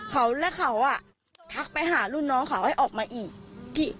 เขาและเขาทักไปหาลุ่นน้องเขาให้ออกมาอีก